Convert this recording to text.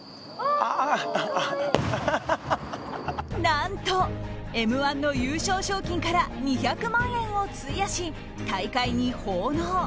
何と「Ｍ‐１」の優勝賞金から２００万円を費やし大会に奉納。